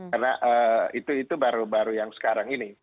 karena itu baru baru yang sekarang ini